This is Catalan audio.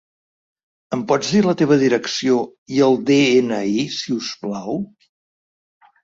Em pots dir la teva direcció i el de-ena-i, si us plau?